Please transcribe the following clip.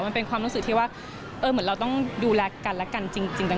มันเป็นความรู้สึกที่เราต้องดูแลกันและกันจริง